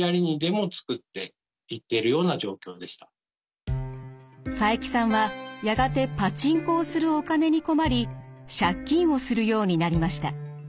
とにかく佐伯さんはやがてパチンコをするお金に困り借金をするようになりました。